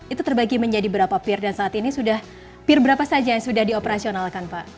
itu terbagi menjadi berapa peer dan saat ini sudah peer berapa saja yang sudah dioperasionalkan pak